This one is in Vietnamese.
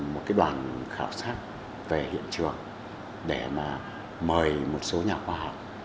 một cái đoàn khảo sát về hiện trường để mà mời một số nhà khoa học